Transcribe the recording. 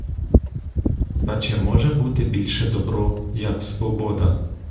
Та чи може бути більше добро, як свобода?